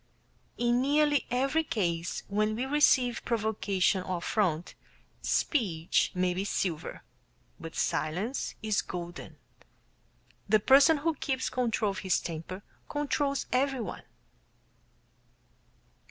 In nearly every case where we receive provocation or affront, speech may be silver, but "silence is golden." The person who keeps control of his temper controls everyone.